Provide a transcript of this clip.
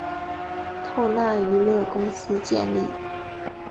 透纳娱乐公司建立。